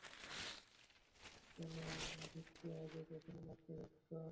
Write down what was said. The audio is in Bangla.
চলো ভিককে আগে কখনো নাচতে দেখেছো?